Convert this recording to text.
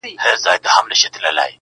د وخت مجنون يم ليونى يمه زه~